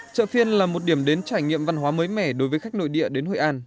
chợ phiên là một điểm đến trải nghiệm văn hóa mới mẻ đối với khách nội địa đến hội an